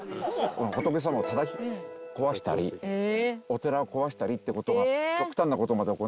仏様をたたき壊したりお寺を壊したりって事が極端な事まで行われた。